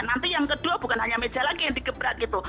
nanti yang kedua bukan hanya meja lagi yang digebrak gitu